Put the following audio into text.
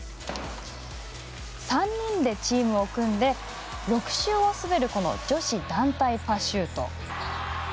３人でチームを組んで６周を滑る女子団体パシュート。